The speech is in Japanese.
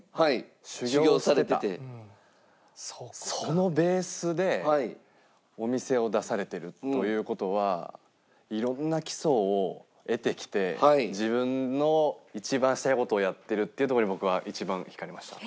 そのベースでお店を出されてるという事はいろんな基礎を得てきて自分の一番したい事をやってるっていうとこに僕は一番惹かれました。